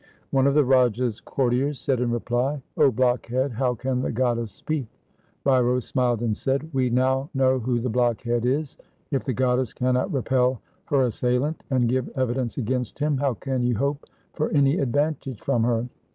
One of the Raja's courtiers said in reply, ' 0 blockhead, how can the goddess speak ?' Bhairo smiled and said, ' We now know who the blockhead is. If the goddess cannot repel her assailant and give evidence against him, how can you hope for any advantage from her